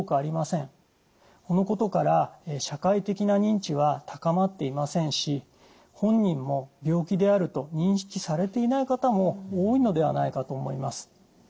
このことから社会的な認知は高まっていませんし本人も病気であると認識されていない方も多いのではないかと思います。